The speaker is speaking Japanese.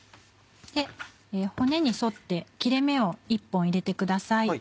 骨に沿って切れ目を１本入れてください。